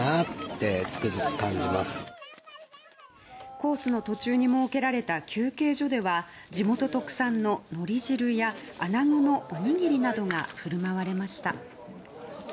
コースの途中に設けられた休憩所では、地元特産の海苔汁やアナゴのおにぎりなどが振る舞われました。